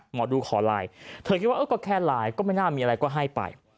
หมอดูขอไลน์เธอคิดว่าเออก็แค่ไลน์ก็ไม่น่ามีอะไรก็ให้ไป